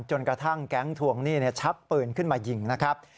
จนกระทั่งแก๊งทวงหนี้ชักปืนขึ้นมายิงนะครับ